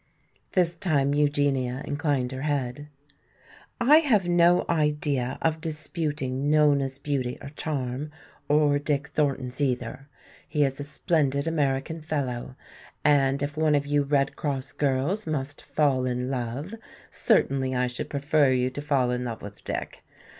This time Eugenia inclined her head. "I have no idea of disputing Nona's beauty or charm, or Dick Thornton's either. He is a splendid American fellow. And if one of you Red Cross girls must fall in love, certainly I should prefer you to fall in love with Dick.